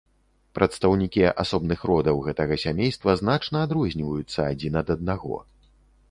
Прадстаўнікі асобных родаў гэтага сямейства значна адрозніваюцца адзін ад аднаго.